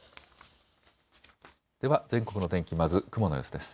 では全国の天気、まず雲の様子です。